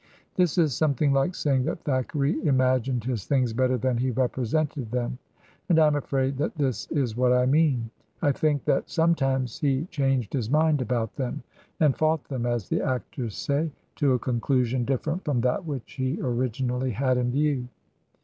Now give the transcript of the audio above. This is something like saying that Thackeray im agined his things better than he represented them; and I am afraid that this is what I mean. I think that some times he changed his mind about them, and "fought" them, as the actors say, to a conclusion different from 204 Digitized by VjOOQIC THACKERAY'S GOOD HEROINES that which he originally had in view.